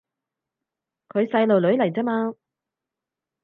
佢細路女嚟咋嘛